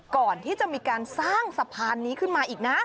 ก่อนที่จะมีการสร้างสะพานนี้ขึ้นมาอีกนะ